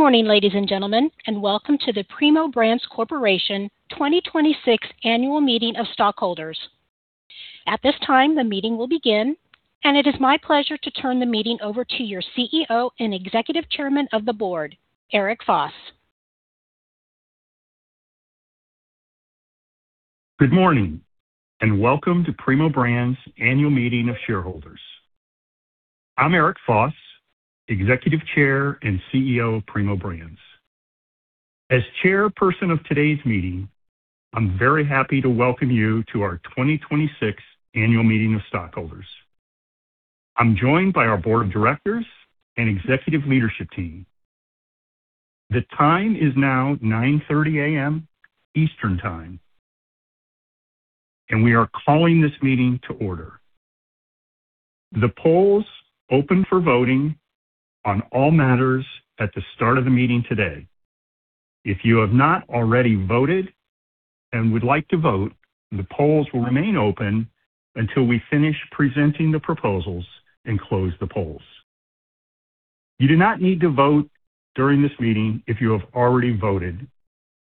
Good morning, ladies and gentlemen, and welcome to the Primo Brands Corporation 2026 Annual Meeting of Stockholders. At this time, the meeting will begin, and it is my pleasure to turn the meeting over to your CEO and Executive Chairman of the Board, Eric Foss. Good morning and welcome to Primo Brands annual meeting of shareholders. I'm Eric Foss, Executive Chair and CEO of Primo Brands. As chairperson of today's meeting, I'm very happy to welcome you to our 2026 annual meeting of stockholders. I'm joined by our board of directors and executive leadership team. The time is now 9:30 A.M. Eastern Time, and we are calling this meeting to order. The polls open for voting on all matters at the start of the meeting today. If you have not already voted and would like to vote, the polls will remain open until we finish presenting the proposals and close the polls. You do not need to vote during this meeting if you have already voted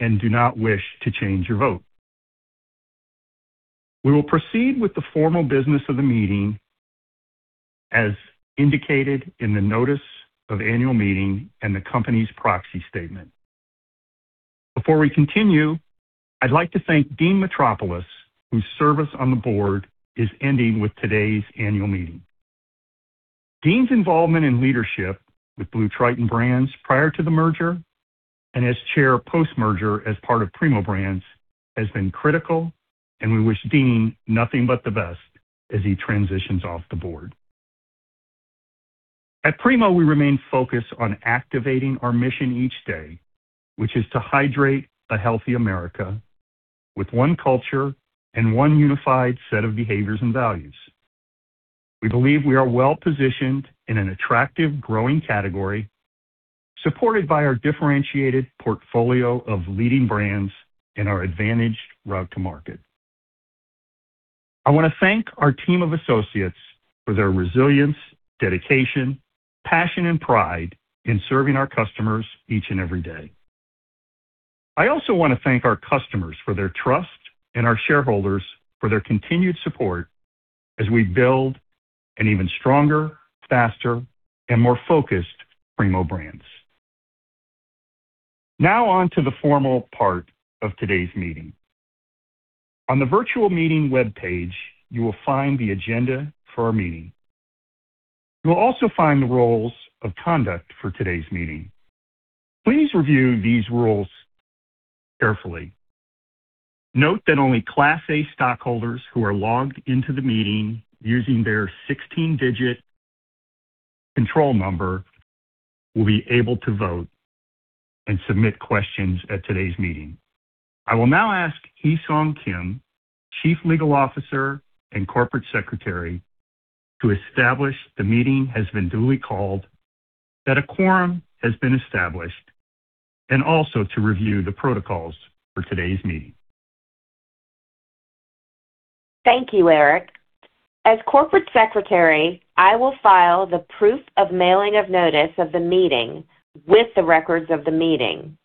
and do not wish to change your vote. We will proceed with the formal business of the meeting as indicated in the notice of annual meeting and the company's proxy statement. Before we continue, I'd like to thank Dean Metropoulos, whose service on the board is ending with today's annual meeting. Dean's involvement and leadership with BlueTriton Brands prior to the merger and as chair post-merger as part of Primo Brands has been critical, and we wish Dean nothing but the best as he transitions off the board. At Primo, we remain focused on activating our mission each day, which is to hydrate a healthy America with one culture and one unified set of behaviors and values. We believe we are well-positioned in an attractive growing category, supported by our differentiated portfolio of leading brands and our advantaged route to market. I want to thank our team of associates for their resilience, dedication, passion, and pride in serving our customers each and every day. I also want to thank our customers for their trust and our shareholders for their continued support as we build an even stronger, faster, and more focused Primo Brands. Now on to the formal part of today's meeting. On the virtual meeting webpage, you will find the agenda for our meeting. You will also find the rules of conduct for today's meeting. Please review these rules carefully. Note that only Class A stockholders who are logged into the meeting using their 16 digit control number will be able to vote and submit questions at today's meeting. I will now ask Hih Song Kim, Chief Legal Officer and Corporate Secretary, to establish the meeting has been duly called, that a quorum has been established, and also to review the protocols for today's meeting. Thank you, Eric. As Corporate Secretary, I will file the proof of mailing of notice of the meeting with the records of the meeting.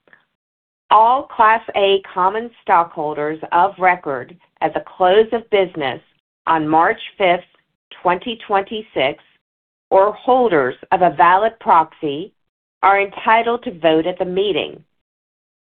All Class A common stockholders of record at the close of business on 5th March, 2026 or holders of a valid proxy are entitled to vote at the meeting.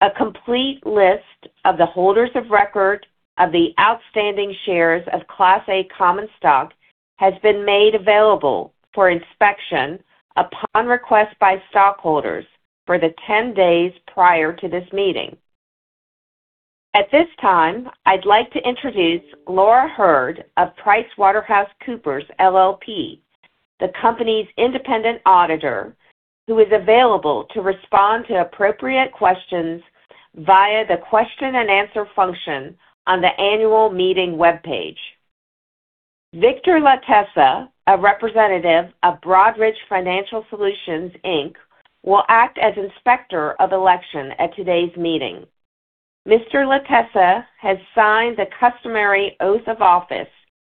A complete list of the holders of record of the outstanding shares of Class A common stock has been made available for inspection upon request by stockholders for the 10 days prior to this meeting. At this time, I'd like to introduce Laura Hurd of PricewaterhouseCoopers LLP, the company's independent auditor, who is available to respond to appropriate questions via the question and answer function on the annual meeting webpage. Victor Latessa, a representative of Broadridge Financial Solutions, Inc., will act as Inspector of Election at today's meeting. Mr. Latessa has signed the customary oath of office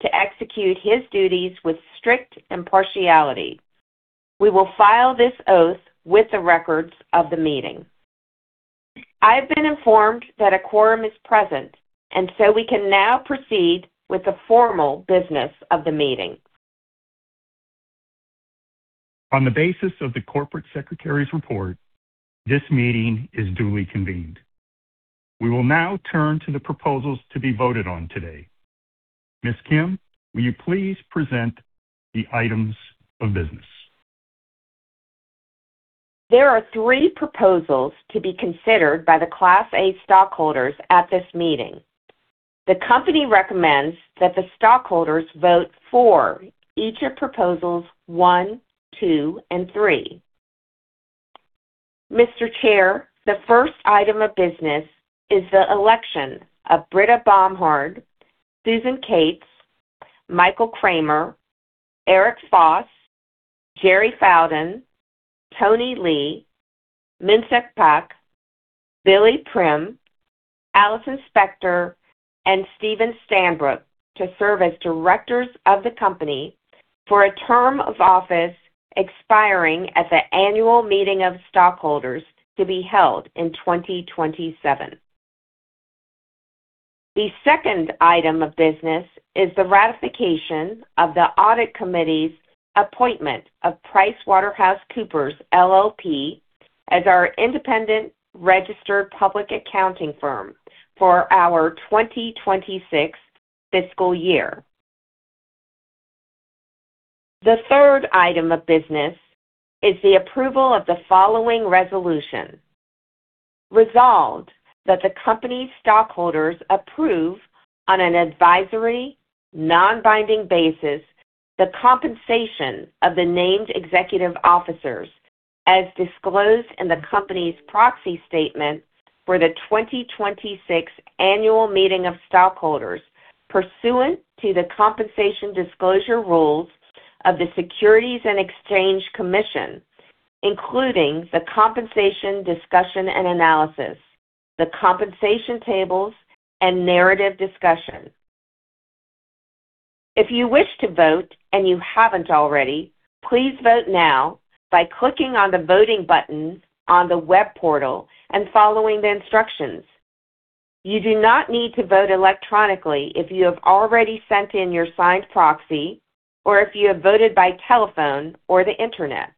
to execute his duties with strict impartiality. We will file this oath with the records of the meeting. I have been informed that a quorum is present, and so we can now proceed with the formal business of the meeting. On the basis of the Corporate Secretary's report, this meeting is duly convened. We will now turn to the proposals to be voted on today. Ms. Kim, will you please present the items of business? There are three proposals to be considered by the Class A stockholders at this meeting. The company recommends that the stockholders vote for each of Proposals one, two, and three. Mr. Chair, the first item of business is the election of Britta Bomhard, Susan Cates, Michael Cramer, Eric Foss, Jerry Fowden, Tony Lee, Minseok Pak, Billy Prim, Allison Spector, and Steven Stanbrook to serve as directors of the company for a term of office expiring at the annual meeting of stockholders to be held in 2027. The second item of business is the ratification of the audit committee's appointment of PricewaterhouseCoopers LLP as our independent registered public accounting firm for our 2026 fiscal year. The third item of business is the approval of the following resolution. Resolved that the company's stockholders approve on an advisory, non-binding basis the compensation of the named executive officers as disclosed in the company's proxy statement for the 2026 annual meeting of stockholders pursuant to the compensation disclosure rules of the Securities and Exchange Commission, including the compensation discussion and analysis, the compensation tables, and narrative discussion. If you wish to vote and you haven't already, please vote now by clicking on the voting button on the web portal and following the instructions. You do not need to vote electronically if you have already sent in your signed proxy or if you have voted by telephone or the Internet.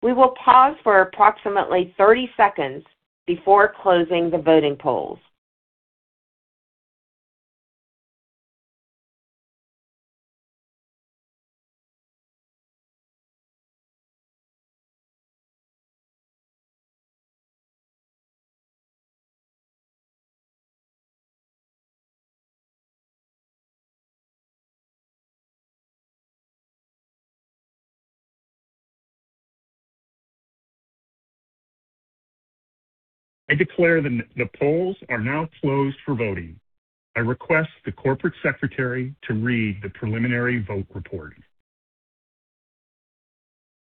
We will pause for approximately 30 seconds before closing the voting polls. I declare the polls are now closed for voting. I request the corporate secretary to read the preliminary vote report.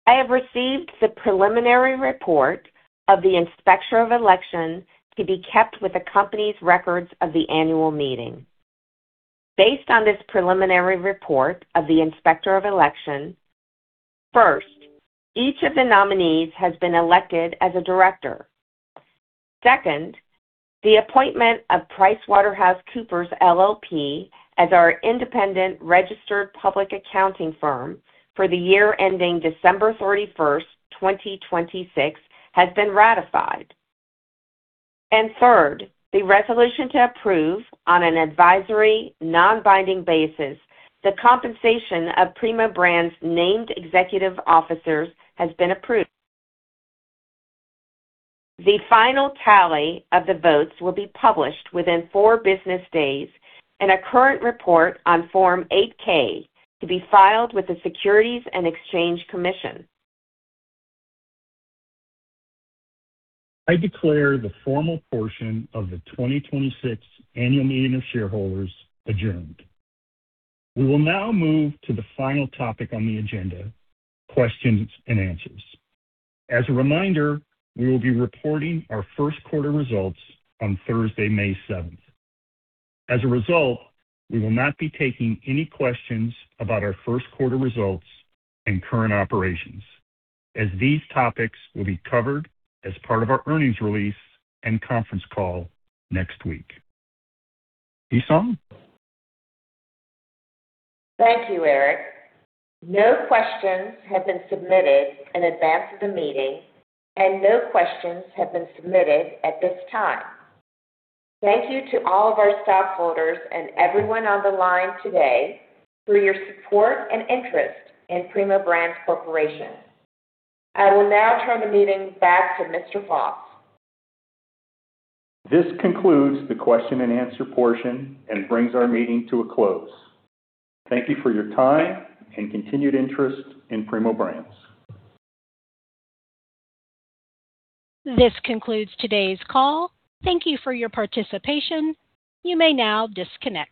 I have received the preliminary report of the inspector of elections to be kept with the company's records of the annual meeting. Based on this preliminary report of the inspector of elections, first, each of the nominees has been elected as a director. Second, the appointment of PricewaterhouseCoopers LLP as our independent registered public accounting firm for the year ending 31st December, 2026, has been ratified. Third, the resolution to approve on an advisory, non-binding basis the compensation of Primo Brands named executive officers has been approved. The final tally of the votes will be published within four business days in a current report on Form 8-K to be filed with the Securities and Exchange Commission. I declare the formal portion of the 2026 annual meeting of shareholders adjourned. We will now move to the final topic on the agenda, questions and answers. As a reminder, we will be reporting our Q1 results on Thursday, 7th May. As a result, we will not be taking any questions about our Q1 results and current operations, as these topics will be covered as part of our earnings release and conference call next week. Hih Song? Thank you, Eric. No questions have been submitted in advance of the meeting, and no questions have been submitted at this time. Thank you to all of our stockholders and everyone on the line today for your support and interest in Primo Brands Corporation. I will now turn the meeting back to Mr. Foss. This concludes the question and answer portion and brings our meeting to a close. Thank you for your time and continued interest in Primo Brands. This concludes today's call. Thank you for your participation. You may now disconnect.